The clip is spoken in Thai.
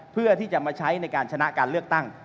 เพื่อที่จะมาใช้ในการชนะการเลือกตั้ง